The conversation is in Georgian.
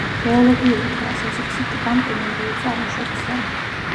გეოლოგიური თვალსაზრისით, ტბა მყინვარული წარმოშობისაა.